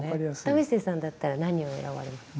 為末さんだったら何を選ばれますか？